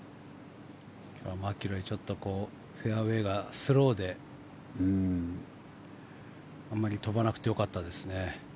今日はマキロイフェアウェーがスローであんまり飛ばなくてよかったですね。